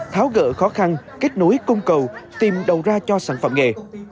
tháo gỡ khó khăn kết nối cung cầu tìm đầu ra cho sản phẩm nghề